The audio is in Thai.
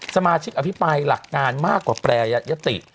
สมาชิกอภิปรายหลักงานมากกว่าแปรยติ